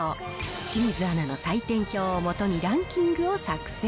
清水アナの採点表をもとにランキングを作成。